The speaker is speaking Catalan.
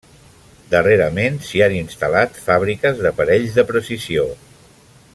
Darrerament s'hi han instal·lat fàbriques d'aparells de precisió.